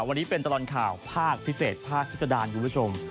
วันนี้เป็นตลอดข่าวภาคพิเศษภาคพิษดารคุณผู้ชม